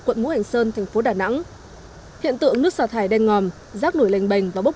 quận ngũ hành sơn thành phố đà nẵng hiện tượng nước xả thải đen ngòm rác nổi lành bềnh và bốc